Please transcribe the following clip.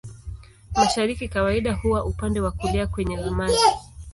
Mashariki kawaida huwa upande wa kulia kwenye ramani.